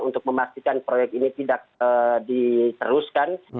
untuk memastikan proyek ini tidak diteruskan